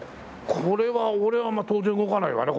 これは俺はまあ当然動かないわね